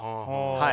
はい。